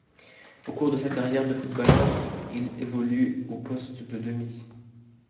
Au cours de sa carrière de footballeur, il évolue au poste de demi.